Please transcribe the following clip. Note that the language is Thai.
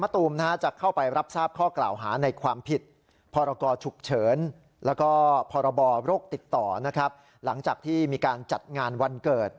ต่อนะครับหลังจากที่มีการจัดงานวันเกิด